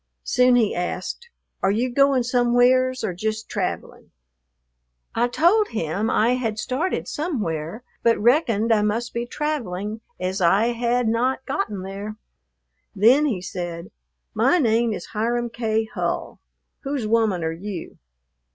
Soon he asked, "Are you goin' somewheres or jist travelin'?" I told him I had started somewhere, but reckoned I must be traveling, as I had not gotten there. Then he said, "My name is Hiram K. Hull. Whose woman are you?"